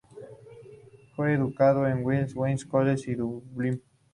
Fue educado en el Wesley College de Dublín.